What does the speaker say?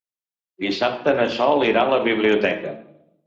Dissabte na Sol irà a la biblioteca.